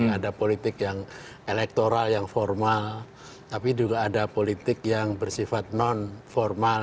ada politik yang elektoral yang formal tapi juga ada politik yang bersifat non formal